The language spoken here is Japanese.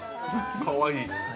かわいい。